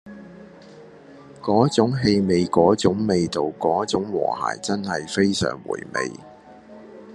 嗰種氣味嗰種味道嗰種和諧真係非常回味